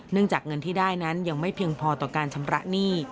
จากเงินที่ได้นั้นยังไม่เพียงพอต่อการชำระหนี้